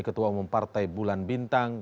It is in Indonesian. ketua umum partai bulan bintang